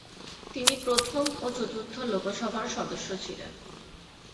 তিনি প্রথম ও চতুর্থ লোকসভার সদস্য ছিলেন।